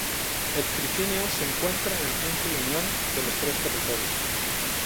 El trifinio se encuentra en el punto de unión de los tres territorios.